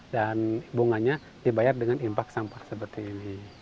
dan bunganya dibayar dengan impak sampah seperti ini